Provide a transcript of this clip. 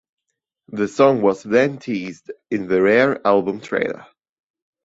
The song was then teased in the "Rare" album trailer.